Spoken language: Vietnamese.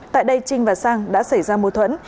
tại đây trinh và sang đã xảy ra mâu thuẫn